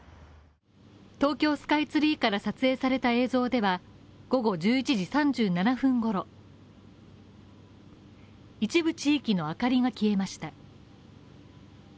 東京スカイツリーから撮影された映像では午後１１時３７分ごろ、一部地域の明かりが消えました。